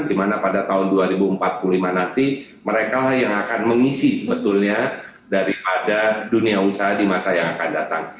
dimana pada tahun dua ribu empat puluh lima nanti mereka yang akan mengisi sebetulnya daripada dunia usaha di masa yang akan datang